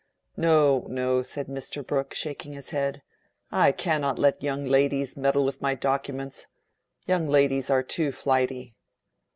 "No, no," said Mr. Brooke, shaking his head; "I cannot let young ladies meddle with my documents. Young ladies are too flighty."